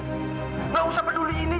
gak usah peduliin itu